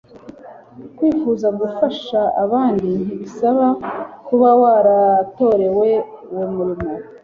Kwifuza gufasha abandi ntibisaba kuba waratorewe uwo murimo